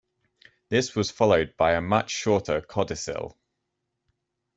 This was followed by a much shorter codicil.